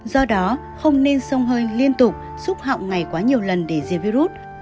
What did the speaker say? do đó không nên xông hơi liên tục xúc họng ngày quá nhiều lần để diệt virus